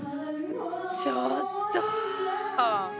ちょっと。